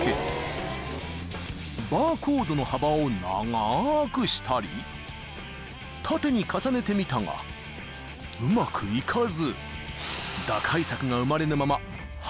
［バーコードの幅を長くしたり縦に重ねてみたがうまくいかず］